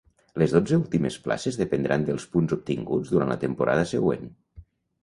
Les dotze últimes places dependran dels punts obtinguts durant la temporada següent.